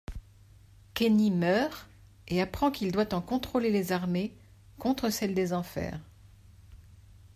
Kenny meurt et apprend qu'il doit en contrôler les armées contre celle des enfers.